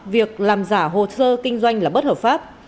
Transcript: việc làm giả hồ sơ kinh doanh là bất hợp pháp